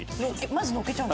まずのっけちゃう。